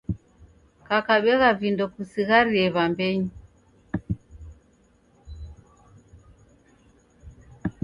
Kakabegha vindo kusigharie wambenyu